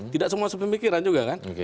tidak semua sepemikiran juga kan